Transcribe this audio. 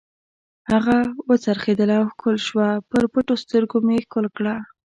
هغه و څرخېدله او ښکل شوه، پر پټو سترګو مې ښکل کړه.